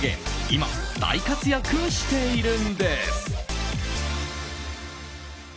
今、大活躍しているんです。